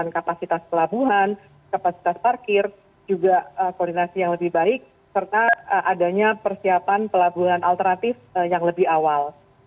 kapasitas pelabuhan kapasitas parkir juga koordinasi yang lebih baik serta adanya persiapan pelabuhan alternatif yang lebih awal